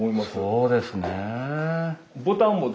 そうですね。